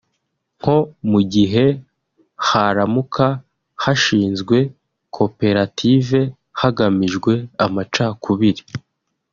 nko mu gihe haramuka hashinzwe koperative hagamijwe amacakubiri